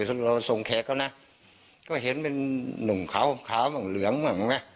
ที่เราส่งแขกก็นะเค้าเห็นเป็นหนุ่มขาวเหลืองบ้างเนี่ย